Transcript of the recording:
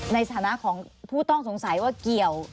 ในฐานะของผู้ต้องสงสัยว่าเกี่ยว